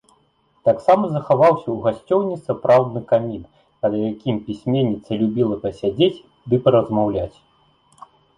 Таксама захаваўся ў гасцёўні сапраўдны камін, пад якім пісьменніца любіла пасядзець ды паразмаўляць.